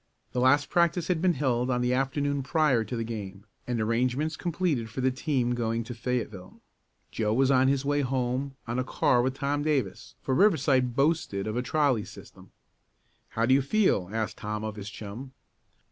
The last practice had been held on the afternoon prior to the game, and arrangements completed for the team going to Fayetteville. Joe was on his way home on a car with Tom Davis, for Riverside boasted of a trolley system. "How do you feel?" asked Tom of his chum.